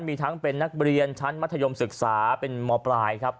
มีทั้งเป็นนักเรียนชั้นมัธยมศึกษาเป็นมปลายครับ